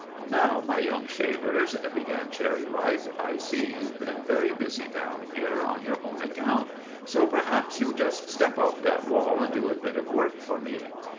"Now, my young shavers," began Cherry Ripe, "I see you've been very busy down here on your own account, so perhaps you'll just step off that wall and do a bit of work for me.